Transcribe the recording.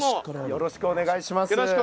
よろしくお願いします。